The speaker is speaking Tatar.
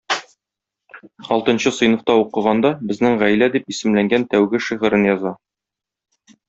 Алтынчы сыйныфта укыганда "Безнең гаилә" дип исемләнгән тәүге шигырен яза.